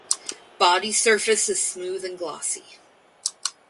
Body surface is smooth and glossy.